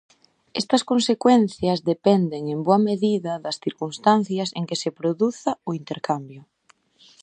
Estas consecuencias dependen en boa medida das circunstancias en que se produza o intercambio.